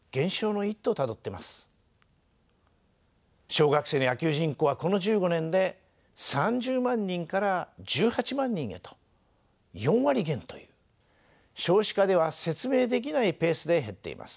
小学生の野球人口はこの１５年で３０万人から１８万人へと４割減という少子化では説明できないペースで減っています。